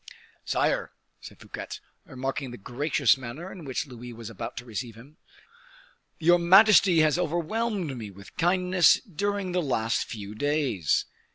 "Sire," said Fouquet, remarking the gracious manner in which Louis was about to receive him, "your majesty has overwhelmed me with kindness during the last few days.